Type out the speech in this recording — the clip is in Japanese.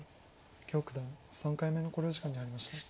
許九段３回目の考慮時間に入りました。